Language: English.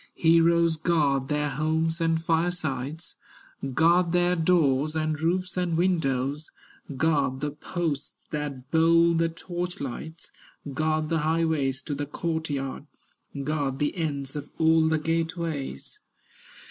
Heroes guard their homes and firesides, Guard their doors, and roofs, and windows, Guard the posts that hold the torch lights, Guard the highways to the court yard, Guard the ends of all the gate ways.